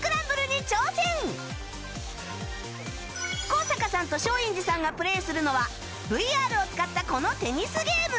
高坂さんと松陰寺さんがプレーするのは ＶＲ を使ったこのテニスゲーム